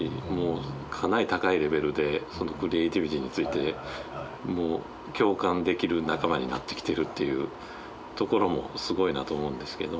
かなり高いレベルでクリエーティビティーについて共感できる仲間になってきてるっていうところもすごいなと思うんですけど。